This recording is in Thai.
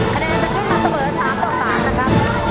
คะแนนจะขึ้นมาเสมอ๓ต่อ๓นะครับ